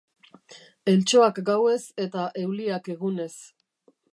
Eltxoak gauez eta euliak egunez.